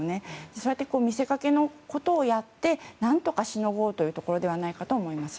そうやって見せかけをやって何とかしのごうというところだと思います。